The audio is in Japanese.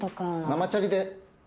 ママチャリ。